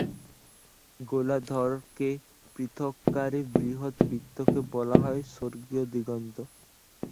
গোলার্ধকে পৃথককারী বৃহৎ বৃত্তকে বলা হয় স্বর্গীয় দিগন্ত।